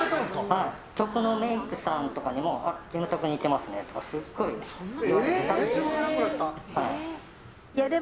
局のメイクさんにもキムタクに似てますねとかすごい言われたんです。